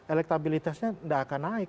elektabilitasnya enggak akan naik